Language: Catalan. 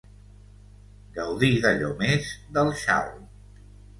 Gaudir d'allò més del xal.